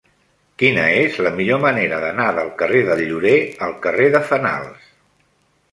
Quina és la millor manera d'anar del carrer del Llorer al carrer de Fenals?